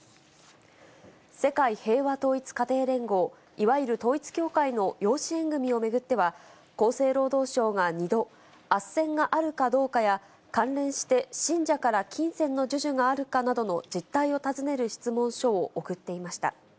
世界平和統一家庭連合、いわゆる統一教会の養子縁組みを巡っては、厚生労働省が２度、あっせんがあるかどうかや、関連して信者から金銭の授受があったかなどの実態を尋ねる質問書を送っていました。